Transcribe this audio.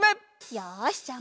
よしじゃあ